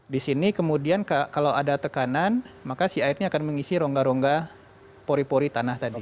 di sini kemudian kalau ada tekanan maka si airnya akan mengisi rongga rongga pori pori tanah tadi